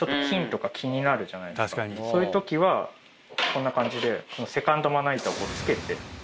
そういう時はこんな感じでセカンドまな板を付けて。